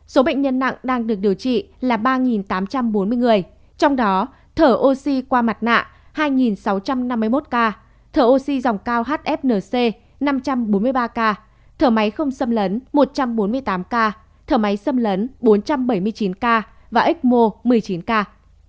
số bệnh nhân nặng đang được điều trị là ba tám trăm bốn mươi người trong đó thở oxy qua mặt nạ hai sáu trăm năm mươi một ca thở oxy dòng cao hfnc năm trăm bốn mươi ba ca thở máy không xâm lấn một trăm bốn mươi tám ca thở máy xâm lấn bốn trăm bảy mươi chín ca và ecmo một mươi chín ca